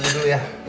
tahan dulu ya